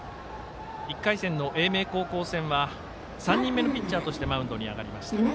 １回戦の英明高校戦は３人目のピッチャーとしてマウンドに上がりました。